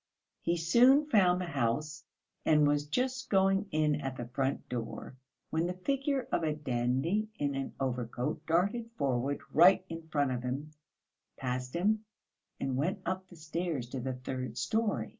He soon found the house, and was just going in at the front door, when the figure of a dandy in an overcoat darted forward right in front of him, passed him and went up the stairs to the third storey.